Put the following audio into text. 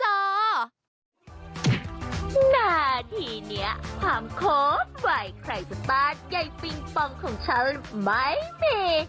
หน้าที่เนี้ยความโคบไหวใครจะตาดใยปิงปองของฉันไหมเม